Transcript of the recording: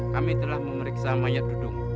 kami telah memeriksa mayat duduk